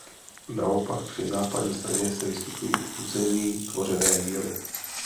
Naopak při západní straně se vyskytují území tvořené jíly.